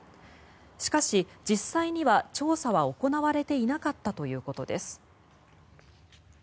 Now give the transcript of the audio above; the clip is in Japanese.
しかし、実際には調査は行われていなかったということです。